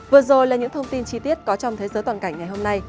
vừa rồi là những thông tin chi tiết có trong thế giới toàn cảnh ngày hôm nay